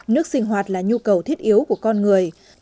nước sinh hoạt là nhu cầu thiết yếu của con người